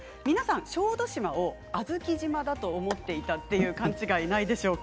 小豆島を小豆島だと思っていたという勘違いがありませんでしょうか。